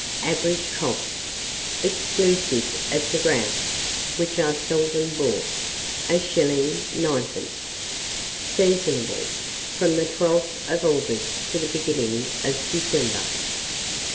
Average cost, exclusive of the grouse, which are seldom bought, 1s. 9d. Seasonable from the 12th of August to the beginning of December.